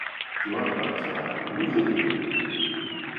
Det var en lang snak, men nu ved I det!